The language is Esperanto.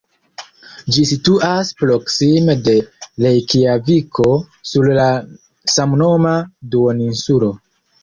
Ĝi situas proksime de Rejkjaviko sur la samnoma duoninsulo.